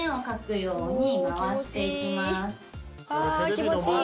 ああ気持ちいい。